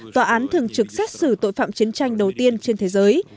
tòa án thường trực xét xử tội phạm chiến tranh đầu tiên trên thế giới